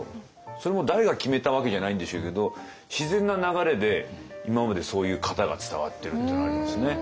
それも誰が決めたわけじゃないんでしょうけど自然な流れで今までそういう型が伝わってるっていうのはありますね。